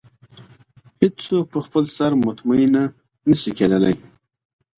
هېڅ څوک په خپل سر مطمئنه نه شي کېدلی.